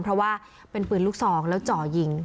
เพราะว่าเป็นปืนลูกซองแล้วจ่อยิง